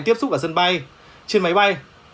tiếp xúc ở sân bay trên máy bay